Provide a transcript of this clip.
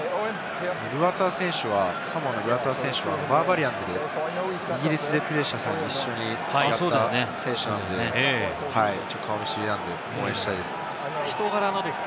ルアトゥア選手はバーバリアンズで、イギリスでプレーした際に一緒にやった選手なんで顔見知りなんで応援したいです。